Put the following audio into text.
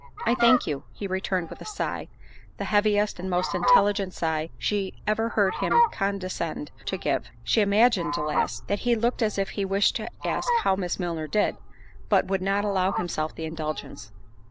"I thank you," he returned with a sigh—the heaviest and most intelligent sigh she ever heard him condescend to give. She imagined, alas, that he looked as if he wished to ask how Miss Milner did, but would not allow himself the indulgence.